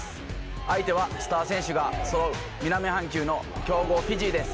相手はスター選手がそろう南半球の強豪フィジーです。